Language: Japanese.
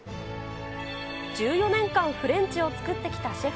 １４年間フレンチを作ってきたシェフ。